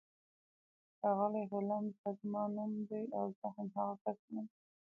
ښاغلی هولمز دا زما نوم دی او زه همغه کس یم